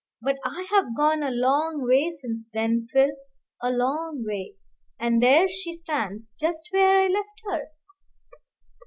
But I have gone a long way since then, Phil, a long way; and there she stands, just where I left her."